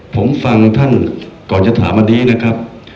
ผมฟังท่านก่อนจะถามอันนี้นะครับ